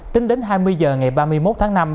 tính đến hai mươi h ngày ba mươi một tháng năm